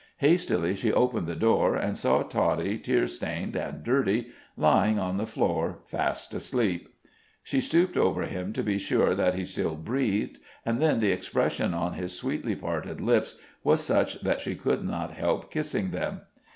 Hastily she opened the door, and saw Toddie tear stained and dirty, lying on the floor, fast asleep. She stooped over him to be sure that he still breathed, and then the expression on his sweetly parted lips was such that she could not help kissing them.